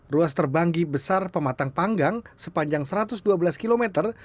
ruas terbanggi besar pematang panggang sepanjang satu ratus dua belas kilometer